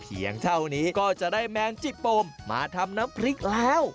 เท่านี้ก็จะได้แมงจิกโปมมาทำน้ำพริกแล้ว